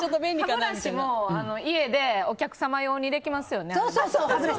歯ブラシも家でお客様用にできますよね。